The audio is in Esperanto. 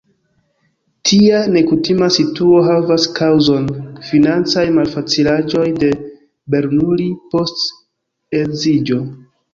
Tia nekutima situo havas kaŭzon: financaj malfacilaĵoj de Bernoulli post edziĝo.